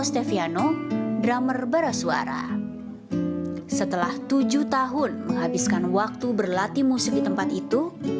steviano drummer barasuara setelah tujuh tahun menghabiskan waktu berlatih musik di tempat itu